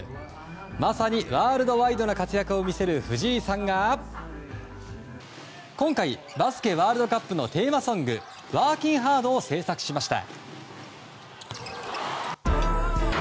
まさにワールドワイドな活躍を見せる藤井さんが今回、バスケワールドカップのテーマソング「Ｗｏｒｋｉｎ’Ｈａｒｄ」を制作しました。